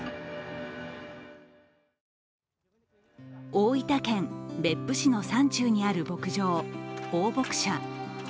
大分県別府市の山中にある牧場、宝牧舎。